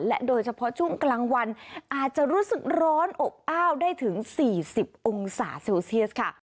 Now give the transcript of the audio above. โดยเฉพาะช่วงกลางวันอาจจะรู้สึกร้อนอบอ้าวได้ถึง๔๐องศาเซลเซียสค่ะ